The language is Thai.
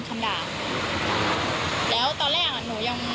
ป้าร้านนึงแถวระแว่งนั้นนะคะ